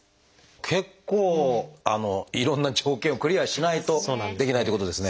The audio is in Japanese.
結構いろんな条件をクリアしないとできないっていうことですね。